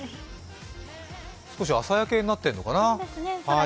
少し、朝焼けになっているのかな。